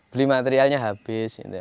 beli materialnya habis gitu